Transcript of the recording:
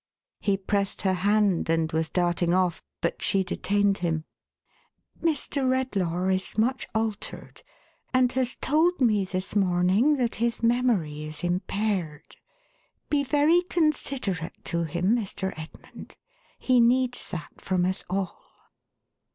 He pressed her hand, and was darting off, but she detained him. "Mr. Redlaw is much altered, and has told me this morn ing that his memory is impaired. Be very considerate to him, Mr. Edmund; he needs that from us all."